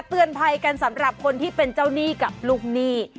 เตือนภัยกันสำหรับคนที่เป็นเจ้าหนี้กับลูกหนี้